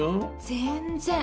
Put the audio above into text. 全然。